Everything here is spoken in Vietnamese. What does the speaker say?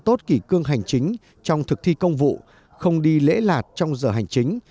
tốt kỷ cương hành chính trong thực thi công vụ không đi lễ lạt trong giờ hành chính